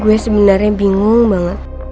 gue sebenarnya bingung banget